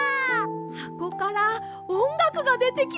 はこからおんがくがでてきました！